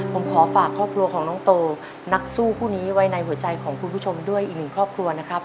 ผมขอฝากครอบครัวของน้องโตนักสู้คู่นี้ไว้ในหัวใจของคุณผู้ชมด้วยอีกหนึ่งครอบครัวนะครับ